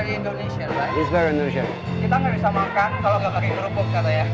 ini sangat indonesia pak